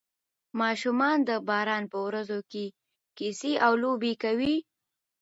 ماشومان د باران په ورځو کې کیسې او لوبې کوي.